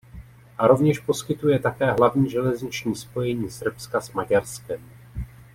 A rovněž poskytuje také hlavní železniční spojení Srbska s Maďarskem.